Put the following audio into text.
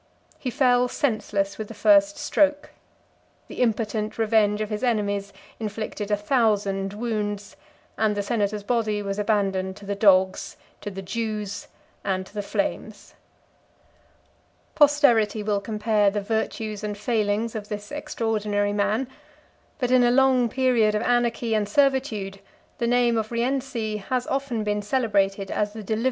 He fell senseless with the first stroke: the impotent revenge of his enemies inflicted a thousand wounds: and the senator's body was abandoned to the dogs, to the Jews, and to the flames. Posterity will compare the virtues and failings of this extraordinary man; but in a long period of anarchy and servitude, the name of Rienzi has often been celebrated as the deliverer of his country, and the last of the Roman patriots.